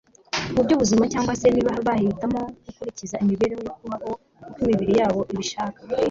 mu by'ubuzima cyangwa se niba bahitamo gukurikiza imibereho yo kubaho uko imibiri yabo ibishaka